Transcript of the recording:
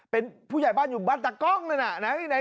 เป็นผู้ใหญ่บ้านอยู่บ้านตากล้องนั่นน่ะนะ